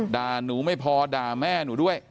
ด่าหนูไม่พอด่าแม่หนูด้วย